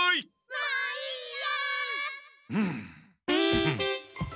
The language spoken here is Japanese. ・もういいよ！